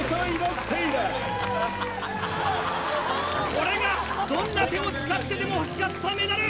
これがどんな手を使ってでも欲しかったメダル！